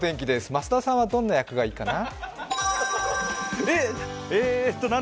増田さんはどんな役がいいかな？